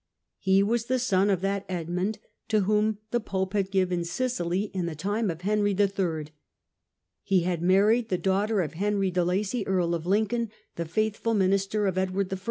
He was the son of that Edmund to whom the pope had given Sicily in the time of Henry III. He had married the daughter of Henry de Lacy, Earl of Lincoln, the faithful minister of Edward I.